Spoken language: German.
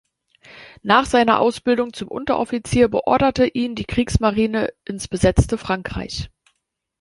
Nach seiner Ausbildung zum Unteroffizier beorderte ihn die Kriegsmarine ins besetzte Frankreich.